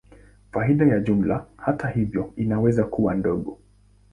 Faida ya jumla, hata hivyo, inaweza kuwa ndogo.